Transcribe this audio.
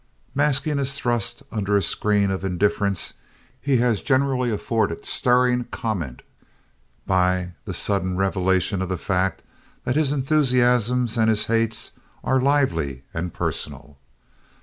Masking his thrusts under a screen of indifference, he has generally afforded stirring comment by the sudden revelation of the fact that his enthusiasms and his hates are lively and personal.